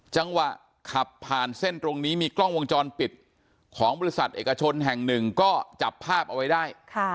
จังหวะขับผ่านเส้นตรงนี้มีกล้องวงจรปิดของบริษัทเอกชนแห่งหนึ่งก็จับภาพเอาไว้ได้